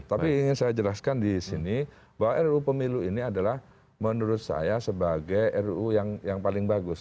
tapi ingin saya jelaskan di sini bahwa ruu pemilu ini adalah menurut saya sebagai ruu yang paling bagus